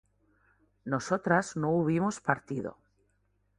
nosotras no hubimos partido